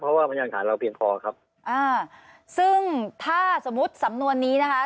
เพราะว่าพยานฐานเราเพียงพอครับอ่าซึ่งถ้าสมมุติสำนวนนี้นะคะ